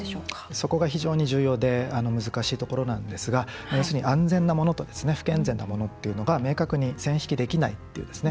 そこが非常に重要で難しいところなんですが要するに安全なものと不健全なものっていうのが明確に線引きできないっていうですね